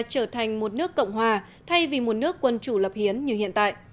trở thành một nước cộng hòa thay vì một nước quân chủ lập hiến như hiện tại